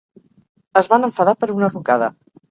Es van enfadar per una rucada.